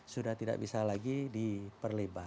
sudah tidak bisa lagi diperlebar